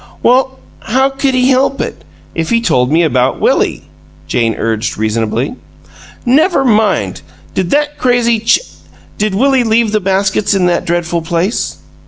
"Well, how could he help it, if he told me about Willie?" Jane urged, reasonably. "Never mind! Did that crazy ch Did Willie LEAVE the baskets in that dreadful place?"